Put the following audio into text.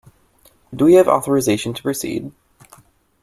Do we have authorisation to proceed?